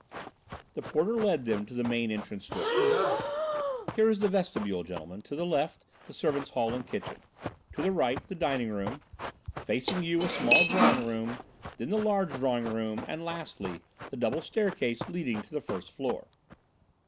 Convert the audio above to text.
The porter led them to the main entrance door. "Here is the vestibule, gentlemen, to the left, the servants' hall and kitchen; to the right, the dining room; facing you a small drawing room, then the large drawing room, and, lastly, the double staircase leading to the first floor."